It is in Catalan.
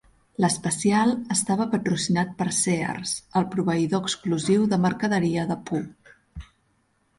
L'especial estava patrocinat per Sears, el proveïdor exclusiu de mercaderia de Pooh.